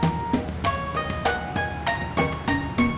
anggzi karena stunden bedah liat